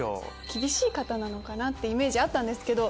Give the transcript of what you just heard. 厳しい方なのかなってイメージあったんですけど